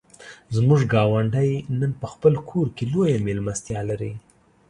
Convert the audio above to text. زموږ ګاونډی نن په خپل کور کې لویه مېلمستیا لري.